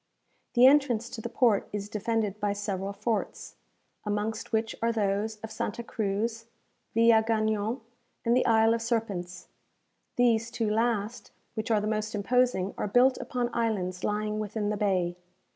The entrance to the port is defended by several forts, amongst which are those of Santa Cruz, Villagagnon, and the Isle of Serpents. These two last, which are the most imposing, are built upon islands lying within the bay.